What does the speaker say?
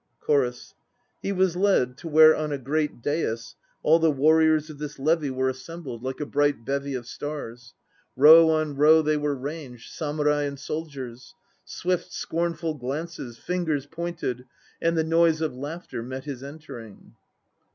CHORUS. He was led to where on a great dais All the warriers of this levy were assembled HACHI NO KI 111 Like a bright bevy of stars. Row on row they were ranged, Samurai and soldiers; Swift scornful glances, fingers pointed And the noise of laughter met his entering.